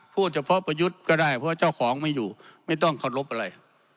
พูดเฉพาะประยุทธ์ก็ได้เพราะเจ้าของไม่อยู่ไม่ต้องเคารพอะไร